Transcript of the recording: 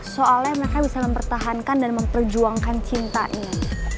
soalnya mereka bisa mempertahankan dan memperjuangkan cintanya